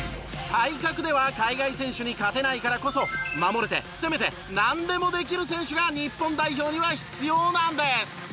体格では海外選手に勝てないからこそ守れて攻めてなんでもできる選手が日本代表には必要なんです。